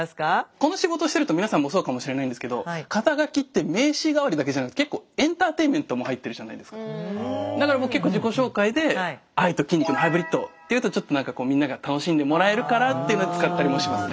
この仕事してると皆さんもそうかもしれないんですけどだから僕結構自己紹介で「愛と筋肉のハイブリッド」って言うとちょっと何かみんなが楽しんでもらえるからっていうので使ったりもしますね。